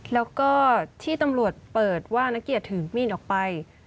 แล้วก็ที่ตำรวจเปิดว่านักเกียจถือมีดออกไป